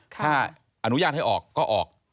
ถ้าอนุญาตให้ออกก็ออก